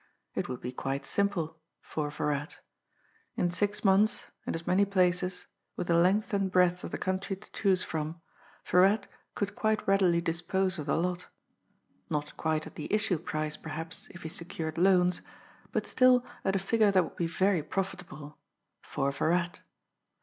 It would be quite simple for Virate! In six months, in as many places, with the length and breadth of the country to choose from, Virat could quite readily dispose of the lot; not quite at the issue price perhaps if he secured loans, but still at a figure that would be very profitable for Virat!